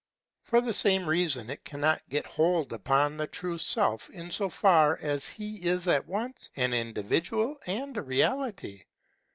For the same reason it can not get hold upon the true Self in so far as he is at once an individual and a reality.